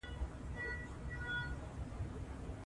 هغه نظر چې خپور شو اغېزمن و.